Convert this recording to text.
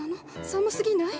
寒すぎない？